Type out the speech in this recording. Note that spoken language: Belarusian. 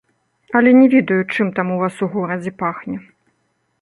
Але не ведаю, чым там у вас у горадзе пахне.